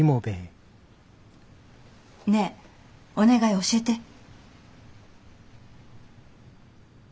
ねえお願い教えて。